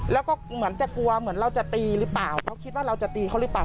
แล้วก็เหมือนจะกลัวเหมือนเราจะตีหรือเปล่าเขาคิดว่าเราจะตีเขาหรือเปล่า